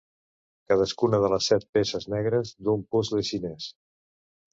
Cadascuna de les set peces negres d'un puzle xinès.